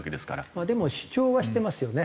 まあでも主張はしてますよね。